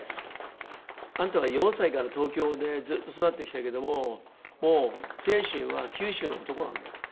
「あんたは４歳から東京でずっと育ってきたけどももう精神は九州の男なんだよ」って。